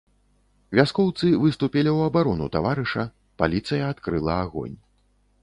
Вяскоўцы выступілі ў абарону таварыша, паліцыя адкрыла агонь.